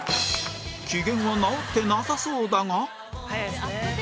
機嫌は直ってなさそうだが